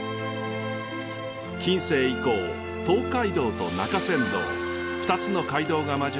近世以降東海道と中山道２つの街道が交わる